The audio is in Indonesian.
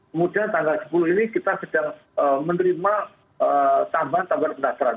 kemudian tanggal sepuluh ini kita sedang menerima tambahan tambahan pendaftaran